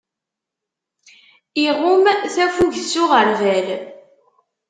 Iɣumm tafugt s uɣerbal.